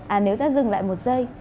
à nếu ta dừng lại một giây